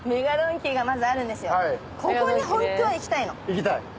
行きたい？